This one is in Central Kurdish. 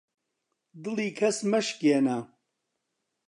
دڵی کەس مەشکێنە